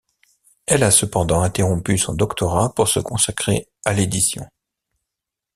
Elle a cependant interrompu son doctorat pour se consacrer à l'édition.